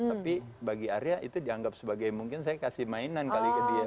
tapi bagi arya itu dianggap sebagai mungkin saya kasih mainan kali ke dia